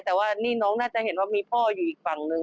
แต่ว่านี่น้องน่าจะเห็นว่ามีพ่ออยู่อีกฝั่งนึง